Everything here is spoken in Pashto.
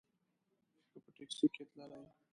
که په ټیکسي کې تللې.